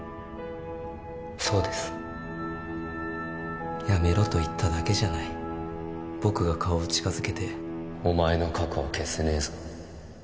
そうですやめろと言っただけじゃない僕が顔を近づけてお前の過去は消せねえぞ